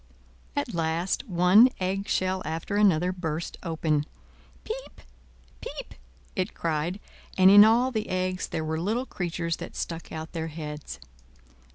At last one egg shell after another burst open. "Piep! piep!" it cried, and in all the eggs there were little creatures that stuck out their heads.